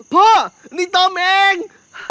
พ่อนี่ต้องแม่ง